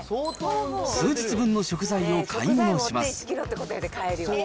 数日分の食材を買い物します。